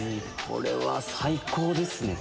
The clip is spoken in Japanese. これは最高ですね。